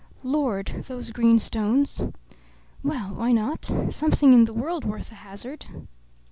Lord, those green stones! Well, why not? Something in the world worth a hazard.